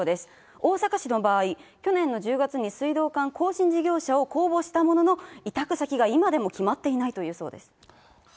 大阪市の場合、去年の１０月に水道管更新事業者を公募したものの、委託先が今でも決まっていないというそうです。